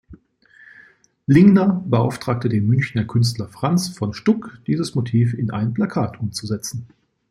Lingner beauftragte den Münchner Künstler Franz von Stuck, dieses Motiv in ein Plakat umzusetzen.